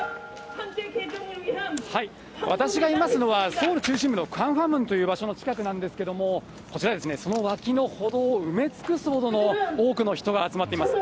私がいますのは、ソウル中心部のカンハムンという場所の近くなんですけれども、こちらですね、その脇の歩道を埋め尽くすほどの多くの人が集まっています。